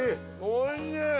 おいしい！